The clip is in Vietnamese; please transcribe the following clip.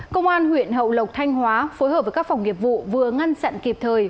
công an huyện hậu lộc thanh hóa phối hợp với các phòng nghiệp vụ vừa ngăn chặn kịp thời